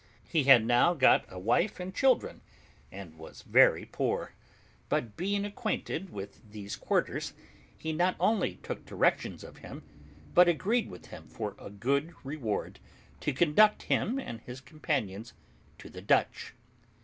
He had now got a wife and children, and was very poor; but being acquainted with these quarters, he not only took directions of him, but agreed with him, for a good reward, to conduct him and his companions to the Dutch.